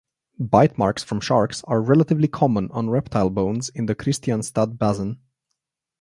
Bite marks from sharks are relatively common on reptile bones in the Kristianstad Basin.